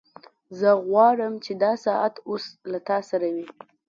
زه غواړم چې دا ساعت اوس له تا سره وي